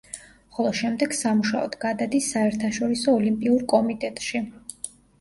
ხოლო შემდეგ სამუშაოდ გადადის საერთაშორისო ოლიმპიურ კომიტეტში.